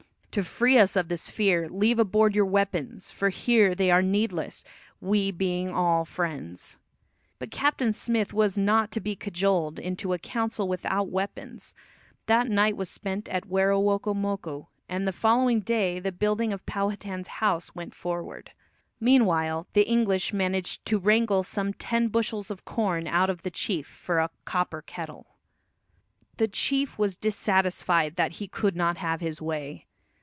To free us of this fear, leave aboard your weapons, for here they are needless, we being all friends." But Captain Smith was not to be cajoled into a council without weapons. That night was spent at Werowocomoco, and the following day the building of Powhatan's house went forward. Meanwhile the English managed "to wrangle" some ten bushels of corn out of the chief for a copper kettle. The chief was dissatisfied that he could not have his way.